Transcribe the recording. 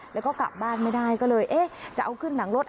แล้วก็กลับบ้านไม่ได้ก็เลยเอ๊ะจะเอาขึ้นหลังรถ